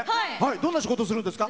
どんな仕事なんですか？